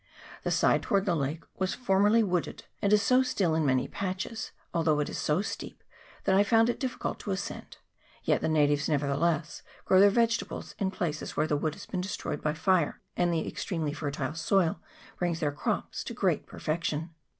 The side toward the lake was formerly wooded, and is so still in many patches, although it is so steep that I found it difficult to ascend ; yet the natives, nevertheless, grow their vegetables in places where the wood has been de stroyed by fire, and the extremely fertile soil brings their crops to great perfection.